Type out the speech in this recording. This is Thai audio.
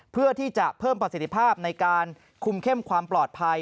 เพื่อที่จะเพิ่มประสิทธิภาพในการคุมเข้มความปลอดภัย